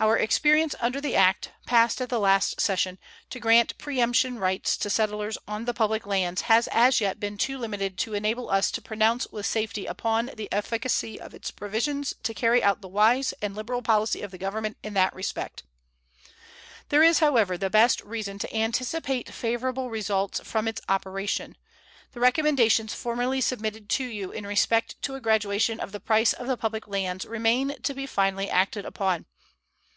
Our experience under the act, passed at the last session, to grant preemption rights to settlers on the public lands has as yet been too limited to enable us to pronounce with safety upon the efficacy of its provisions to carry out the wise and liberal policy of the Government in that respect. There is, however, the best reason to anticipate favorable results from its operation. The recommendations formerly submitted to you in respect to a graduation of the price of the public lands remain to be finally acted upon.